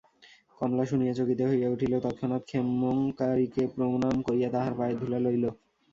কমলা শুনিয়া চকিত হইয়া উঠিয়া, তৎক্ষণাৎ ক্ষেমংকরীকে প্রণাম করিয়া তাঁহার পায়ের ধুলা লইল।